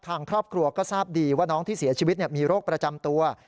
ทางครอบครัวก็ทราบดีว่าน้องที่เสียชีวิตมีโรคประจำตัว